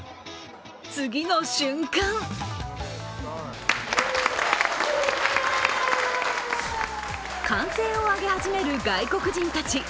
次の瞬間歓声を上げ始める外国人たち。